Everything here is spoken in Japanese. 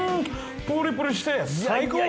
プリプリして最高！